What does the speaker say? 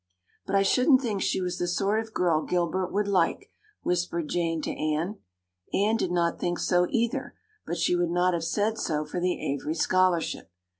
"But I shouldn't think she was the sort of girl Gilbert would like," whispered Jane to Anne. Anne did not think so either, but she would not have said so for the Avery scholarship.